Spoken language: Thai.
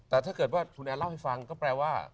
แต่ถ้าเกิดว่าคุณแอนเล่าให้ฟังก็แปลว่า